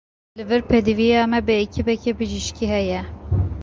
Li vir pêdiviya me bi ekîbeke bijîşkî heye.